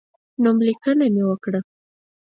نوملیکنه مې وکړه.